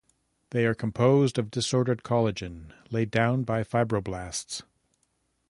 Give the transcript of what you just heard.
They are composed of disordered collagen laid down by fibroblasts.